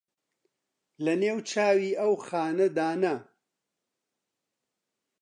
لە نێو چاوی ئەو خانەدانە